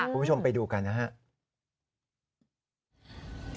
คุณผู้ชมไปดูกันนะครับ